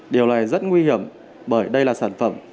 điều này rất nguy hiểm bởi đây là sản phẩm